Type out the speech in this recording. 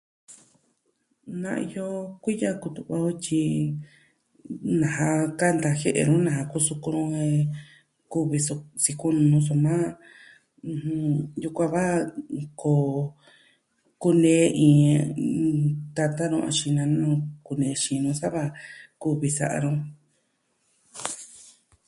Na iyo, kuiya kutu'va o tyi nasa kanta jie'e nu nasa ku sukun... kuvi su... sikunu soma, ɨjɨn... yukuan va koo... kunee iin... iin... tata nu axi nana nu, kunee xini o sava kuvi sa'a nu.